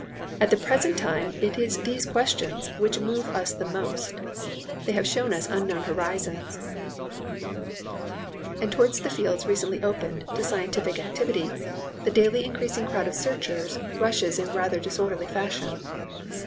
At the present time it is these questions which move us the most; they have shown us unknown horizons, and towards the fields recently opened to scientific activity the daily increasing crowd of searchers rushes in rather disorderly fashion.